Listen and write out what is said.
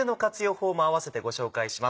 法も併せてご紹介します。